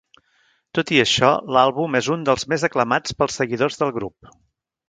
Tot i això, l'àlbum és un dels més aclamats pels seguidors del grup.